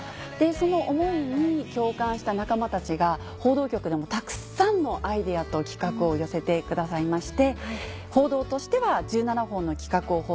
その思いに共感した仲間たちが報道局でもたくさんのアイデアと企画を寄せてくださいまして。